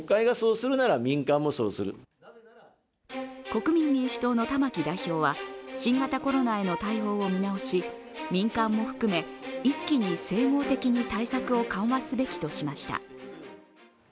国民民主党の玉木代表は新型コロナへの対応を見直し、民間も含め、一気に整合的に対策を緩和すべきとしました。